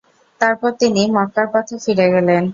তারপর তিনি মক্কার পথে ফিরে গেলেন।